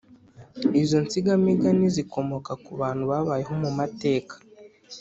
izo nsigamigani zikomoka ku bantu babayeho mu mateka